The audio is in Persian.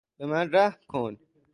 به من رحم کن!